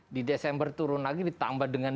di desember turun lagi ditambah dengan